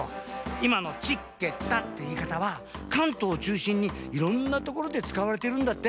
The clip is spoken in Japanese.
いまの「ちっけった」っていいかたは関東をちゅうしんにいろんなところでつかわれてるんだって。